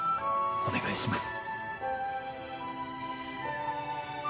お願いします。